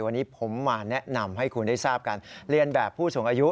วันนี้ผมมาแนะนำให้คุณได้ทราบการเรียนแบบผู้สูงอายุ